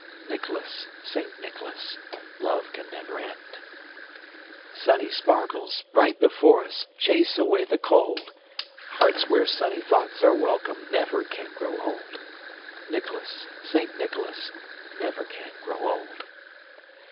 Nicholas! Saint Nicholas! Love can never end. Sunny sparkles, bright before us, Chase away the cold! Hearts where sunny thoughts are welcome, Never can grow old. Nicholas! Saint Nicholas! Never can grow old!